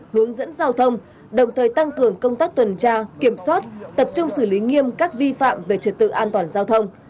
hướng dẫn giao thông đồng thời tăng cường công tác tuần tra kiểm soát tập trung xử lý nghiêm các vi phạm về trật tự an toàn giao thông